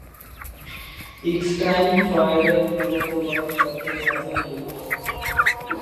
Eckstein ফ্রয়েডের প্রলুব্ধকরণ তত্ত্বের সাথেও যুক্ত।